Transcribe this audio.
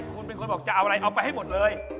คุณเป็นคนบอกจะเอาอะไรเอาไปให้หมดเลย